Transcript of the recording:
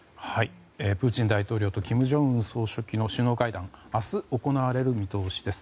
プーチン大統領と金正恩総書記の首脳会談は明日、行われる見通しです。